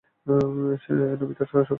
সে নোবিতার সবচেয়ে কাছের বন্ধু।